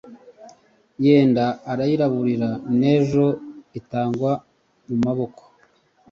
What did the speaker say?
Yenda arayiburire N' ejo itagwa mu maboko.